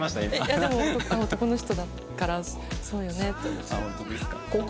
でも男の人だからそうよねって思って。